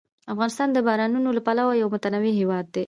افغانستان د بارانونو له پلوه یو متنوع هېواد دی.